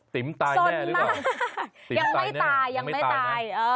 ติ๋มตายแน่หรือเปล่าติ๋มตายแน่หรือเปล่าสนมากยังไม่ตายยังไม่ตาย